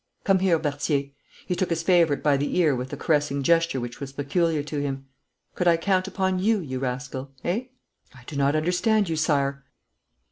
Come here, Berthier!' he took his favourite by the ear with the caressing gesture which was peculiar to him. 'Could I count upon you, you rascal eh?' 'I do not understand you, Sire.'